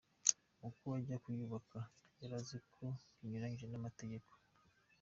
Kuko ajya kuyubaka yarazi ko binyuranije n’amategeko.